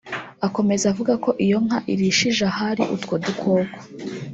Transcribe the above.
Akomeza avuga ko iyo inka irishije ahari utwo dukoko